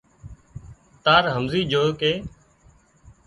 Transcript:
تار همزي جھو ڪي